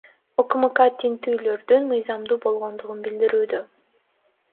УКМК тинтүүлөрдүн мыйзамдуу болгондугун билдирүүдө.